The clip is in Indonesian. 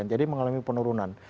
jadi mengalami penurunan